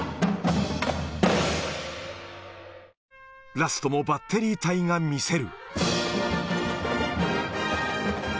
ラストもバッテリー隊が見せる。